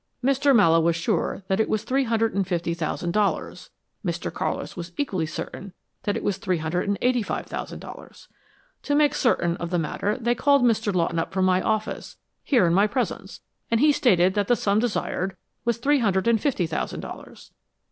Mr. Mallowe was sure that it was three hundred and fifty thousand dollars. Mr. Carlis was equally certain that it was three hundred and eighty five thousand. To make certain of the matter they called Mr. Lawton up from my office here in my presence, and he stated that the sum desired was three hundred and fifty thousand dollars.